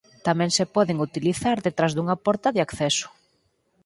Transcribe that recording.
Tamén se poden utilizar detrás dunha porta de acceso.